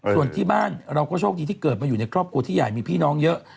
ส่วนที่บ้านเราก็โชคดีที่เกิดมาอยู่ในครอบครัวที่ใหญ่มีพี่น้องเยอะ